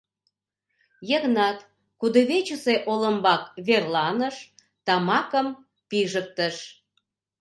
Йыгнат кудывечысе олымбак верланыш, тамакым пижыктыш.